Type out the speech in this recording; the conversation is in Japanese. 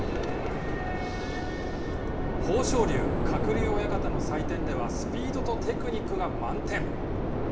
豊昇龍、鶴竜親方の採点ではスピードとテクニックが満点。